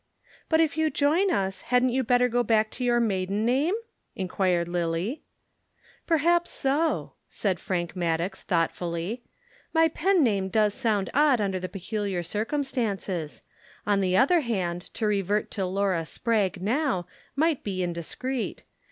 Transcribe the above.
"But if you join us, hadn't you better go back to your maiden name?" inquired Lillie. "Perhaps so," said Frank Maddox thoughtfully. "My pen name does sound odd under the peculiar circumstances. On the other hand to revert to Laura Spragg now might be indiscreet.